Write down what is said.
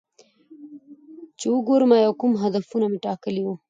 چې وګورم ایا کوم هدفونه مې ټاکلي وو